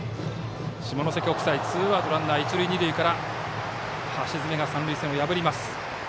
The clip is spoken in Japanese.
下関国際、ツーアウトランナー、一塁二塁から橋爪、三塁線を破ります。